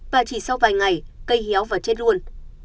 và chỉ sau vài ngày cây héo và chết luôn